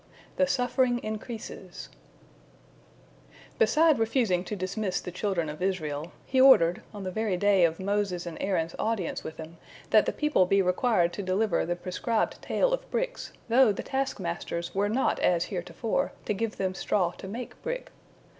THE SUFFERING INCREASES Beside refusing to dismiss the children of Israel, he ordered, on the very day of Moses and Aaron's audience with him, that the people be required to deliver the prescribed tale of bricks, though the taskmasters were not as heretofore to give them straw to make brick.